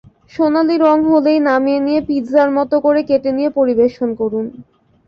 সোনালি রং হলেই নামিয়ে নিয়ে পিৎজার মতো করে কেটে নিয়ে পরিবেশন করুন।